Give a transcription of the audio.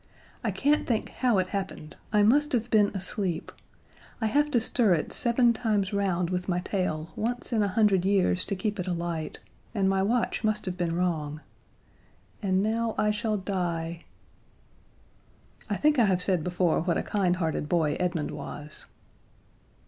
I can't think how it happened; I must have been asleep. I have to stir it seven times round with my tail once in a hundred years to keep it alight, and my watch must have been wrong. And now I shall die." I think I have said before what a kindhearted boy Edmund was.